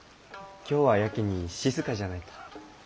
今日はやけに静かじゃないか。